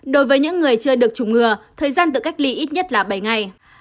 đối với những người chưa được chủng ngừa thời gian tự cách ly ít nhất là bảy ngày